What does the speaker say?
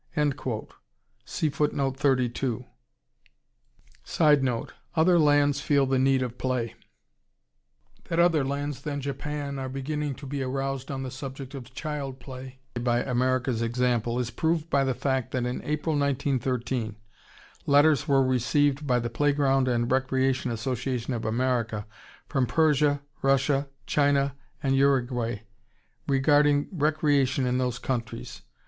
[Sidenote: Other lands feel the need of play.] That other lands than Japan are beginning to be aroused on the subject of Child Play by America's example is proved by the fact that in April, 1913, letters were received by the Playground and Recreation Association of America from Persia, Russia, China, and Uruguay regarding recreation in those countries.